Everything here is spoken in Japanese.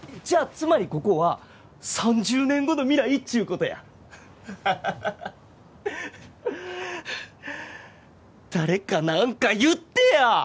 つまりここは３０年後の未来っちゅうことやはははは誰か何か言ってや！